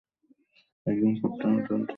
একদম কুত্তার মতো ঠিক।